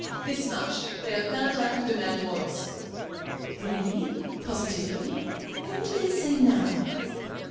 "This much. They have found out who the man was." "Really? Positively? Whom do they say now?"